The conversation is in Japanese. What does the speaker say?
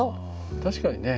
確かにね